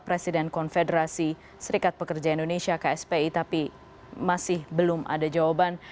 presiden konfederasi serikat pekerja indonesia kspi tapi masih belum ada jawaban